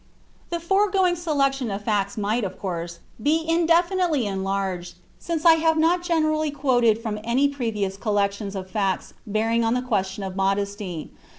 The foregoing selection of facts might, of course, be indefinitely enlarged, since I have not generally quoted from any previous collection of facts bearing on the question of modesty.